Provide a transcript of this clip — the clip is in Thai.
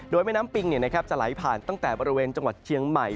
โดยแม่น้ำปิงจะไหลผ่านตั้งแต่บริเวณจังหวัดเชียงใหม่